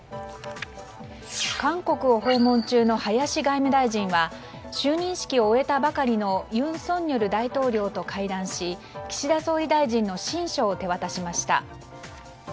韓国を訪問中の林外務大臣は就任式を終えたばかりの尹錫悦大統領と会談し岸田総理大臣の親書を手渡しました。